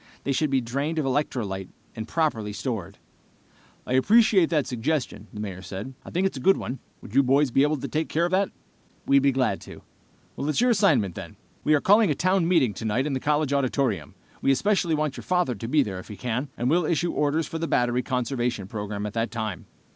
They should be drained of electrolyte and properly stored." "I appreciate that suggestion," the Mayor said. "I think it's a good one. Would you boys be able to take care of that?" "We'd be glad to." "It's your assignment, then. We are calling a town meeting tonight in the college auditorium. We especially want your father to be there if he can, and we'll issue orders for the battery conservation program at that time."